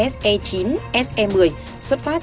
se chín se một mươi xuất phát